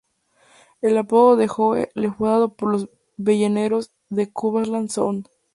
El apodo de "Joe" le fue dado por los balleneros del Cumberland Sound.